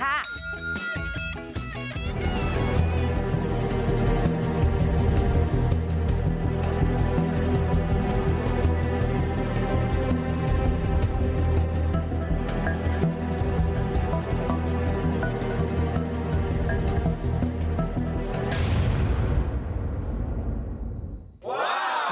ว้าว